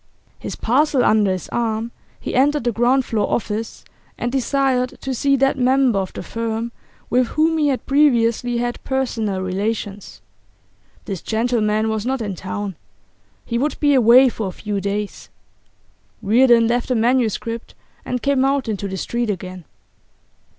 His parcel under his arm, he entered the ground floor office, and desired to see that member of the firm with whom he had previously had personal relations. This gentleman was not in town; he would be away for a few days. Reardon left the manuscript, and came out into the street again.